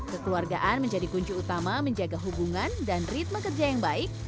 kekeluargaan menjadi kunci utama menjaga hubungan dan ritme kerja yang baik